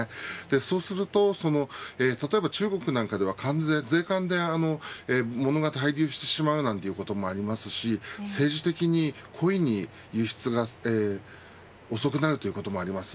そうすると例えば中国では関税税関で物が輸出して滞留してしまうということもありますし政治的に故意に輸出が遅くなるということもあります。